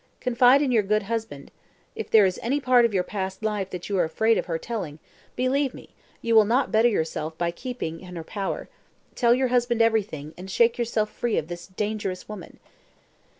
Confide in your good husband. If there is any part of your past life that you are afraid of her telling, believe me you will not better yourself by keeping in her power tell your husband everything, and shake yourself free of this dangerous woman."